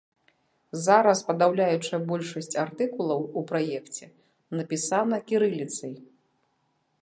Зараз падаўляючая большасць артыкулаў у праекце напісана кірыліцай.